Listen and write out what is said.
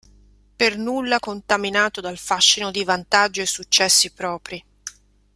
Per nulla contaminato dal fascino di vantaggi e successi propri.